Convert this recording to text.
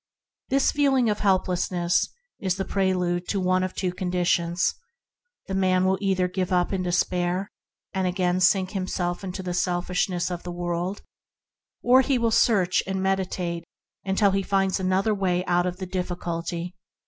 This feeling of helplessness is the prelude to one of two conditions: the man will either give up in despair and again sink himself in the selfishness of the world, or he will search and meditate until he finds another way out of the difficulty.